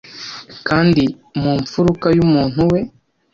kandi mu mfuruka y'umuntu we